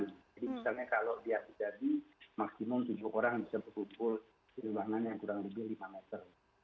jadi misalnya kalau dia terjadi maksimum tujuh orang bisa berkumpul di ruangan yang kurang lebih lima meter